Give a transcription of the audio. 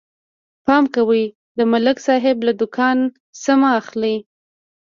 پام کوئ، د ملک صاحب له دوکان څه مه اخلئ.